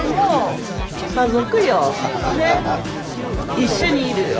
一緒にいるよ。